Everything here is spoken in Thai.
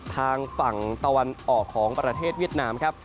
ทางฝั่งตะวันออกของประเทศเวียดนามครับ